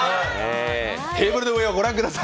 テーブルの上を御覧ください！